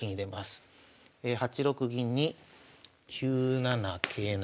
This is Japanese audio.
８六銀に９七桂成。